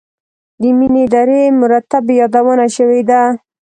د مینې درې مرتبې یادونه شوې ده.